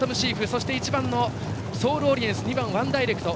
そして、１番ソールオリエンス２番ワンダイレクト。